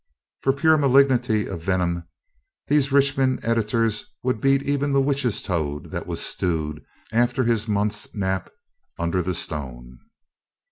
For pure malignity of venom, these Richmond editors would beat even the witches' toad that was stewed after his month's nap under the stone.